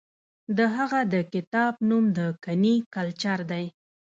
د هغه د کتاب نوم دکني کلچر دی.